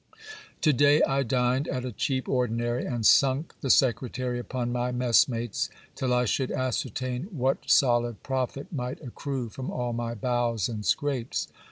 To day I dined at a cheap ordinary, and sunk the secretary upon my mess mates, till I should ascertain what solid profit might accrue from all my bows and scrapes.